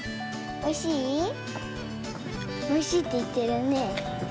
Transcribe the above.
「おいしい」っていってるね。